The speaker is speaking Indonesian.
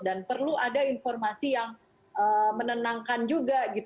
perlu ada informasi yang menenangkan juga